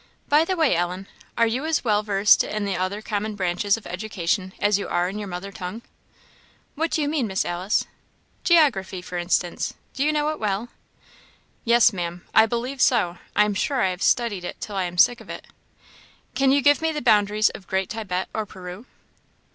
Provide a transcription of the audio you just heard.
By the way, Ellen, are you as well versed in the other common branches of education as you are in your mother tongue?" "What do you mean, Miss Alice?" "Geography, for instance; do you know it well?" "Yes, Maam; I believe so; I am sure I have studied it till I am sick of it." "Can you give me the boundaries of Great Thibet or Peru?"